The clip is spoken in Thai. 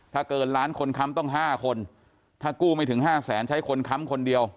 ถ้าเกินล้านคนค้ำต้อง๕คนถ้ากู้ไม่ถึงห้าแสนใช้คนค้ำคนเดียว